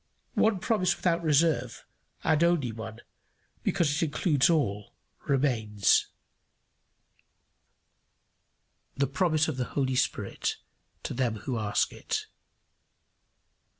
One promise without reserve, and only one, because it includes all, remains: the promise of the Holy Spirit to them who ask it.